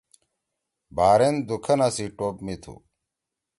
بحرین دُو کھنا سی ٹوپ می تُھو۔